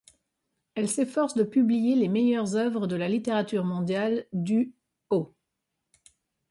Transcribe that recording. Elles s'efforcent de publier les meilleures œuvres de la littérature mondiale du au .